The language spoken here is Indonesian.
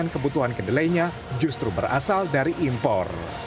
delapan puluh enam kebutuhan kedelainya justru berasal dari impor